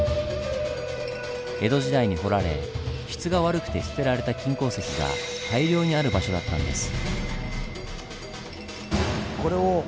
江戸時代に掘られ質が悪くて捨てられた金鉱石が大量にある場所だったんです。